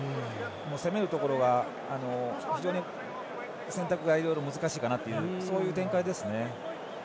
攻めるところは、非常に選択がいろいろ難しいかなというそういう展開ですね。